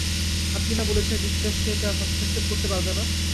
আপনি না বলেছিলেন যুক্তরাষ্ট্র এতে আর হস্তক্ষেপ করতে পারবে না?